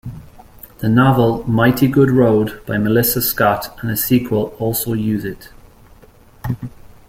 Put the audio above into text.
The novel "Mighty Good Road" by Melissa Scott and a sequel also use it.